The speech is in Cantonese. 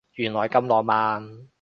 原來咁浪漫